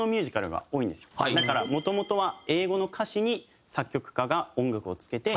だからもともとは英語の歌詞に作曲家が音楽をつけて。